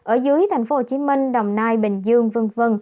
ở dưới tp hcm đồng nai bình dương v v